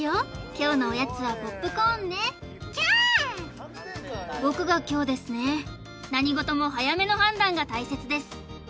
今日のおやつはポップコーンねチャーン僕が凶ですね何事も早めの判断が大切です